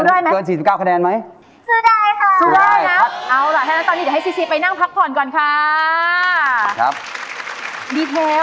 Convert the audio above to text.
วันนี้มันไม่ธรรมดานะร้องไม่ได้ร้องง่ายร้องยาก